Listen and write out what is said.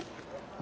あ。